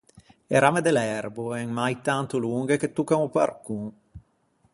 E ramme de l’erbo en mai tanto longhe che toccan o barcon.